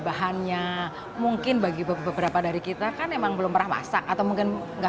bahannya mungkin bagi beberapa dari kita kan emang belum pernah masak atau mungkin enggak